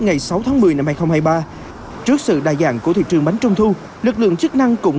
ngày sáu tháng một mươi năm hai nghìn hai mươi ba trước sự đa dạng của thị trường bánh trung thu lực lượng chức năng cũng